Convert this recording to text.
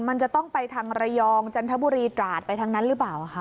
มันจะต้องไปทางระยองจันทบุรีตราดไปทางนั้นหรือเปล่าคะ